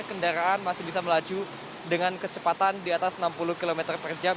kendaraan masih bisa melaju dengan kecepatan di atas enam puluh km per jam